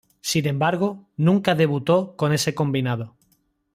Sin embargo, nunca debutó con este combinado.